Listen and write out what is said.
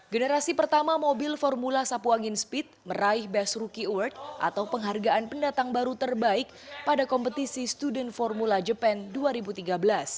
generasi pertama mobil formula sapu angin speed meraih best rookie award atau penghargaan pendatang baru terbaik pada kompetisi student formula jepang dua ribu tiga belas